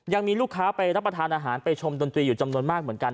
ยังมีลูกค้าไปรับประทานอาหารไปชมดนตรีอยู่จำนวนมากเหมือนกัน